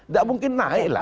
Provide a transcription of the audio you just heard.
gak mungkin naik lah